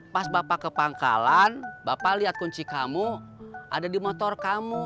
pas bapak ke pangkalan bapak lihat kunci kamu ada di motor kamu